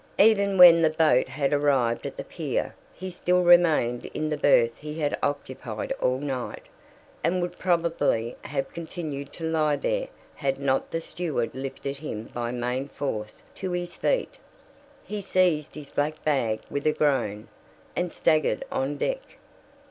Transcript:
Even when the boat had arrived at the pier he still remained in the berth he had occupied all night, and would probably have continued to lie there had not the steward lifted him by main force to his feet. He seized his black bag with a groan, and staggered on deck.